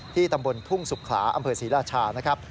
ตำบลทุ่งสุขลาอำเภอศรีราชานะครับ